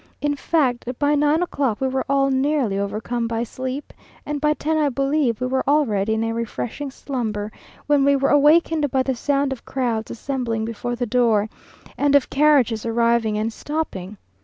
In fact, by nine o'clock, we were all nearly overcome by sleep, and by ten I believe we were already in a refreshing slumber, when we were awakened by the sound of crowds assembling before the door, and of carriages arriving and stopping.